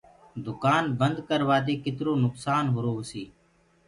دُڪآن بنٚد ڪررآ دي ڪِترو نُڪسآن هرو هوسيٚ